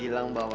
jangan n galah